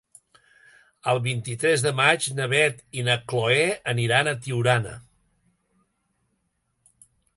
El vint-i-tres de maig na Beth i na Chloé aniran a Tiurana.